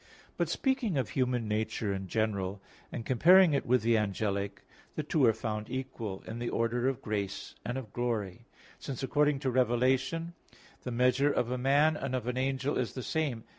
But speaking of human nature in general, and comparing it with the angelic, the two are found equal, in the order of grace and of glory: since according to Rev 21:17, the measure of a man and of an angel is the same.